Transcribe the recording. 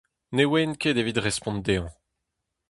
Ne oan ket evit respont dezhañ.